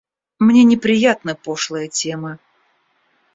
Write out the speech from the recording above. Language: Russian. Мне неприятны пошлые темы.